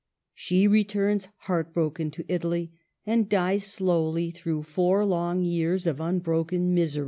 She returns heart broken to Italy, and dies slowly through four long years of unbroken misery.